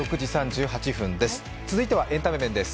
続いてはエンタメ面です。